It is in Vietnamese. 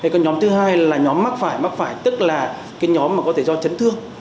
còn nhóm thứ hai là nhóm mắc phải mắc phải tức là cái nhóm mà có thể do chấn thương